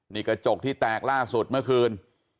นี่กระจกที่แตกล่าสุดเมื่อคืน